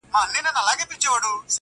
په زرګونو یې تر خاورو کړله لاندي!.